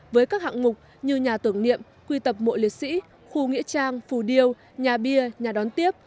với các hạng mục như nhà tưởng niệm quy tập mộ liệt sĩ khu nghĩa trang phù điêu nhà bia nhà đón tiếp